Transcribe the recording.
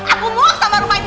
aku buang sama rumah ini